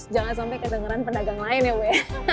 jangan sampai kedengeran pendagang lain ya we